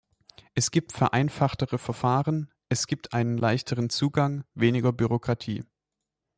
Es gibt vereinfachtere Verfahren, es gibt einen leichteren Zugang, weniger Bürokratie.